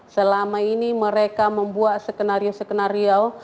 selama ini mereka membuat skenario skenario